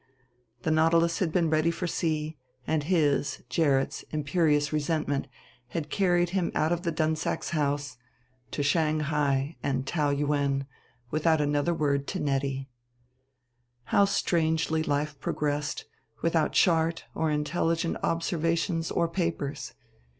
The Nautilus had been ready for sea, and his, Gerrit's, imperious resentment had carried him out of the Dunsacks' house to Shanghai and Taou Yuen without another word to Nettie. How strangely life progressed, without chart or intelligent observations or papers!